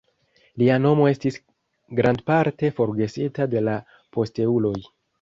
Lia nomo estis grandparte forgesita de la posteuloj.